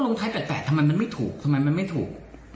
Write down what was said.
ลงท้าย๘๘ทำไมมันไม่ถูกทำไมมันไม่ถูก